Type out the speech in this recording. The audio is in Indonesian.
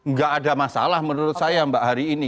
nggak ada masalah menurut saya mbak hari ini